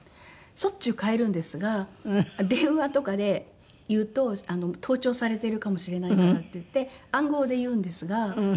しょっちゅう変えるんですが電話とかで言うと「盗聴されているかもしれないから」って言って暗号で言うんですが。